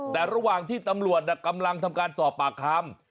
แต่ระหว่างที่ตำรวจกำลังทำการสอบปากคำ